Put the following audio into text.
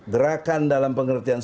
gerakan dalam pengertian